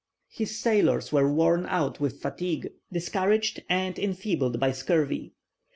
His sailors were worn out with fatigue, discouraged, and enfeebled by scurvy.